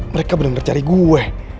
mereka bener bener cari gue